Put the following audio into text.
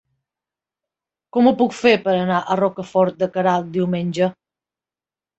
Com ho puc fer per anar a Rocafort de Queralt diumenge?